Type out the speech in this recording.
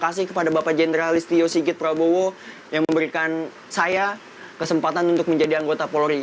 terima kasih kepada bapak jenderal istio sigit prabowo yang memberikan saya kesempatan untuk menjadi anggota polri